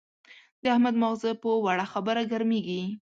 د احمد ماغزه په وړه خبره ګرمېږي.